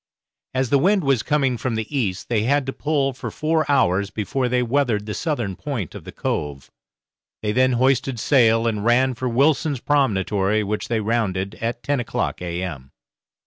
As the wind was coming from the east, they had to pull for four hours before they weathered the southern point of the cove; they then hoisted sail and ran for Wilson's Promentory, which they rounded at ten o'clock a.m.